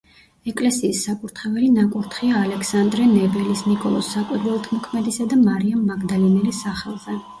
ეკლესიის საკურთხეველი ნაკურთხია ალექსანდრე ნეველის, ნიკოლოზ საკვირველთმოქმედისა და მარიამ მაგდალინელის სახელზე.